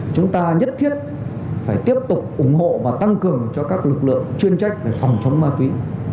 chúng ta nhất thiết phải tiếp tục ủng hộ và tăng cường cho các lực lượng chuyên trách về phòng chống ma túy